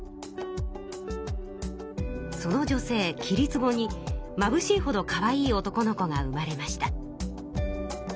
その女性桐壺にまぶしいほどかわいい男の子が産まれました。